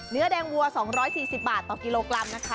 เนื้อแดงวัว๒๔๐บาทต่อกิโลกรัมนะคะ